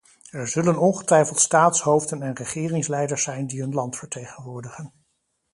Er zullen ongetwijfeld staatshoofden en regeringsleiders zijn die hun land vertegenwoordigen.